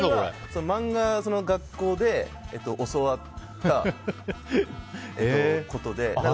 漫画の学校で教わったことで。